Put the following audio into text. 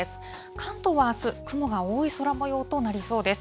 関東はあす、雲が多い空もようとなりそうです。